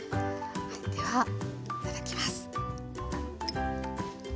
はいではいただきます。